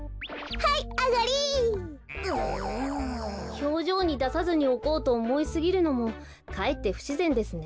ひょうじょうにださずにおこうとおもいすぎるのもかえってふしぜんですね。